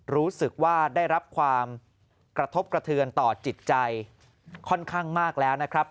รู้สึกว่าได้รับความกระทบกระเทือนต่อจิตใจค่อนข้างมากแล้วนะครับ